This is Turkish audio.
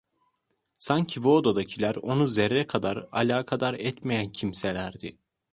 Sanki bu odadakiler onu zerre kadar alakadar etmeyen kimselerdi.